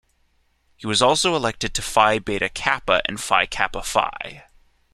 He was also elected to Phi Beta Kappa and Phi Kappa Phi.